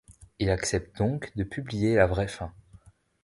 Il accepte donc de publier la vraie fin.